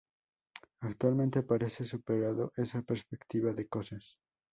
Actualmente parece superado esa perspectiva de cosas.